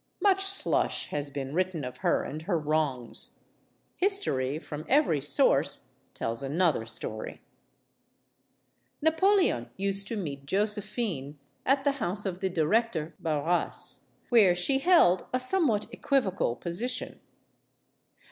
Much slush has been written of her and her wrongs. His tory, from every source, tells another story. 236 STORIES OF THE SUPER WOMEN Napoleon used to meet Josephine at the house of the director, Barras, where she held a somewhat equivocal position.